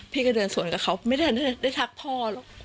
พี่ก็เดินสวนกับเขาไม่ได้ทักพ่อหรอก